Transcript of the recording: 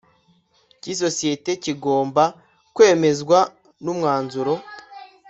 Cy isosiyete kigomba kwemezwa n umwanzuro